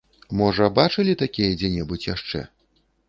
Можа, бачылі такія дзе-небудзь яшчэ?